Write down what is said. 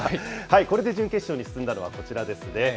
これで準決勝に進んだのはこちらですね。